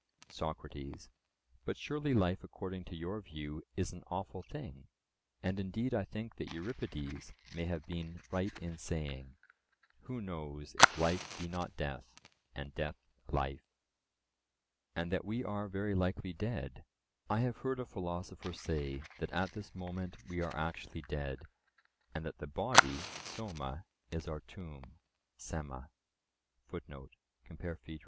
SOCRATES: But surely life according to your view is an awful thing; and indeed I think that Euripides may have been right in saying, "Who knows if life be not death and death life;" and that we are very likely dead; I have heard a philosopher say that at this moment we are actually dead, and that the body (soma) is our tomb (sema (compare Phaedr.))